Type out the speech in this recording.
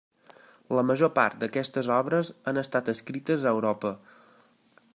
La major part d'aquestes obres han estat escrites a Europa.